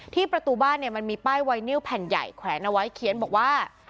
ที่ประตูบ้านมันมีป้ายวัยเนี่ยวแผ่นใหญ่แขวนเอาไว้เขียนบอกว่า